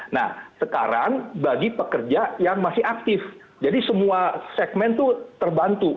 nah sekarang bagi pekerja yang masih aktif jadi semua segmen itu terbantu